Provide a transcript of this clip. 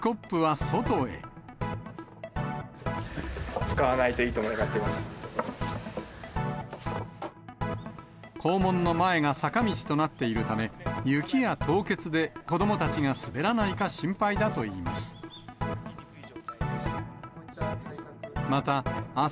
使わないといいと願っていま校門の前が坂道となっているため、雪や凍結で子どもたちが滑らないか心配だといいます。